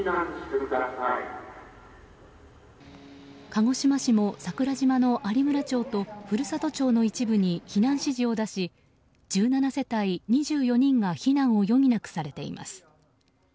鹿児島市も桜島の有村町と古里町の一部に避難指示を出し１７世帯２４人が避難を余儀なくされています。